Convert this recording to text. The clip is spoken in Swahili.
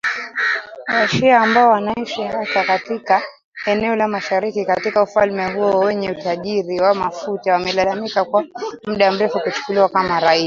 Wa shia ambao wanaishi hasa katika eneo la mashariki katika ufalme huo wenye utajiri wa mafuta, wamelalamika kwa muda mrefu kuchukuliwa kama raia